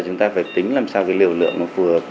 chúng ta phải tính làm sao liều lượng phù hợp